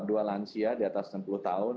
dua lansia di atas enam puluh tahun